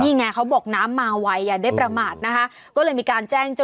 นี่ไงเขาบอกน้ำมาไวอย่าได้ประมาทนะคะก็เลยมีการแจ้งเจ้า